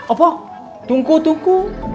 apa tungku tungku